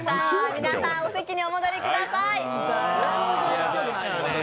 皆さんお席にお戻りください。